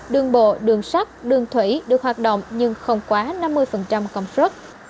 đường bộ đường sắt đường thủy được hoạt động nhưng không quá năm mươi công suất